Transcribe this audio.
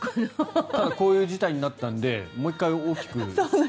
ただこういう事態になったのでもう１回大きく。